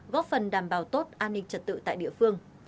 góp phần đảm bảo tốt an ninh trật tự tại địa phương